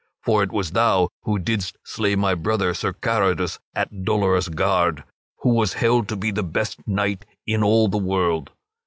For it was thou who didst slay my brother Sir Caradus at Dolorous Gard, who was held to be the best knight in all the world.